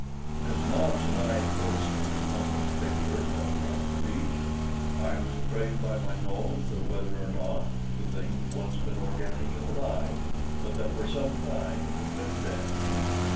As Nobs and I approached the recumbent figure farther up the beach, I was appraised by my nose that whether man or not, the thing had once been organic and alive, but that for some time it had been dead.